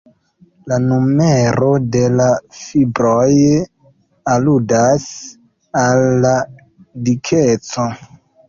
La numero de la fibroj aludas al la dikeco.